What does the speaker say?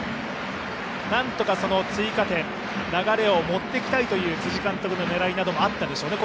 なんとか追加点、流れを持ってきたいという辻監督の狙いなどもあったでしょうね。